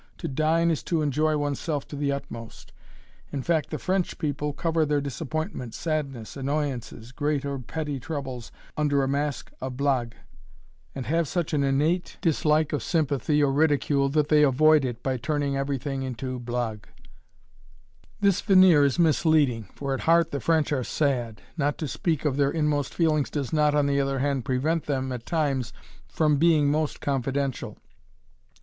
To dine is to enjoy oneself to the utmost; in fact the French people cover their disappointment, sadness, annoyances, great or petty troubles, under a masque of "blague," and have such an innate dislike of sympathy or ridicule that they avoid it by turning everything into "blague." This veneer is misleading, for at heart the French are sad. Not to speak of their inmost feelings does not, on the other hand, prevent them at times from being most confidential.